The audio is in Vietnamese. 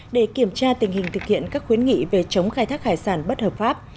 để kiểm tra tình hình thực hiện các khuyến nghị về chống khai thác hải sản bất hợp pháp